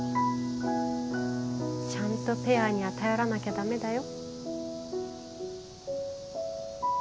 ちゃんとペアには頼らなきゃダメだよ。